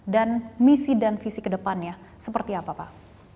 dan misi dan visi kedepannya seperti apa pak